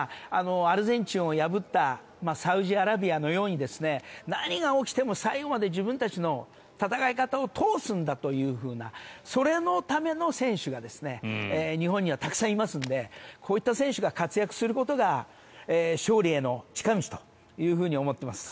アルゼンチンを破ったサウジアラビアのように何が起きても最後まで自分たちの戦い方を通すんだというようなそれのための選手が日本にはたくさんいますのでこういった選手が活躍することが勝利への近道と思っております。